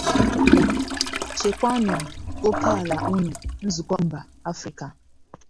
Chekwaanụ Okèala Ụnụ - Nzukọ Mba Afrịka